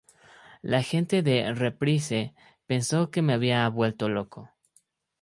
La gente de Reprise pensó que me había vuelto loco.